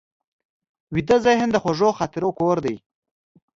ویده ذهن د خوږو خاطرو کور دی